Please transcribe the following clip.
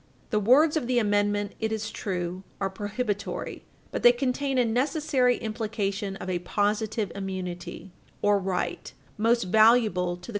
The words of the amendment, it is true, are prohibitory, but they contain a necessary implication of a positive immunity, or right, most valuable to the Page 100 U.